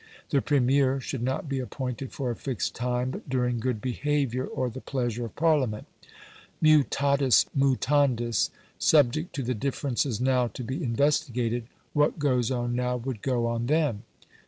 The Premier should not be appointed for a fixed time, but during good behaviour or the pleasure of Parliament. Mutatis mutandis, subject to the differences now to be investigated, what goes on now would go on then.